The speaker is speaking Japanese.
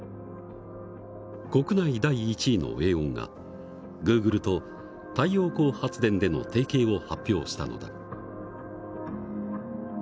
国内第１位のエーオンがグーグルと太陽光発電での提携を発表したのだ。